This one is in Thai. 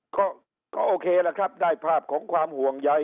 ก็โอเคละครับได้ภาพของความห่วงใย